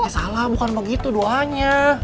salah bukan begitu doanya